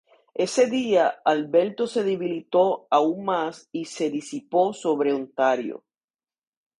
Ese día, Alberto se debilitó aún más y se disipó sobre Ontario.